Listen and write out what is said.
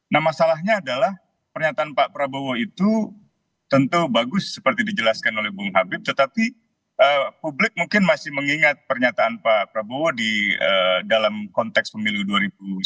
nah masalahnya adalah pernyataan pak prabowo itu tentu bagus seperti dijelaskan oleh bung habib tetapi publik mungkin masih mengingat pernyataan pak prabowo di dalam konteks pemilu dua ribu sembilan belas